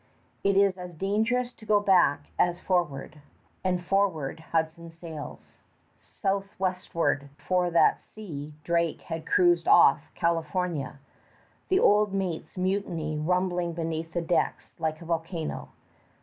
It is as dangerous to go back as forward; and forward Hudson sails, southwestward for that sea Drake had cruised off California, the old mate's mutiny rumbling beneath decks like a volcano.